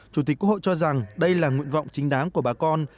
chủ tịch quốc hội cho rằng đây là nguyện vọng chính đáng của bà con